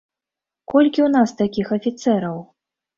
Колькі ў нас такіх афіцэраў?